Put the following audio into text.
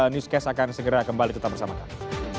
newscast akan segera kembali tetap bersama kami